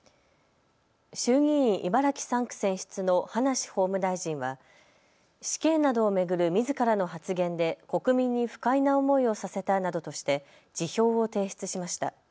衆議院茨城３区選出の葉梨法務大臣は死刑などを巡るみずからの発言で国民に不快な思いをさせたなどとして辞表を提出しました。